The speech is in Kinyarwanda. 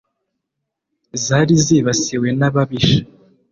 zari zibasiwe n'ababisha